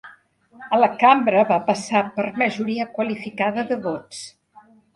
A la Cambra, va passar per majoria qualificada de vots.